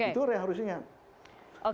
itu harus diingat